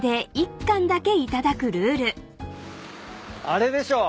あれでしょ？